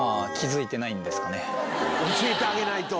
教えてあげないと。